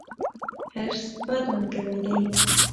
حرص، بد ملګری دی.